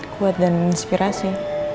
kuat dan menginspirasi